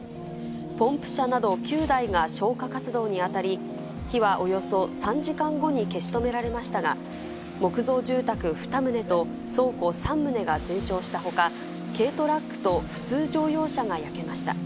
ポンプ車など９台が消火活動に当たり、火はおよそ３時間後に消し止められましたが、木造住宅２棟と倉庫３棟が全焼したほか、軽トラックと普通乗用車が焼けました。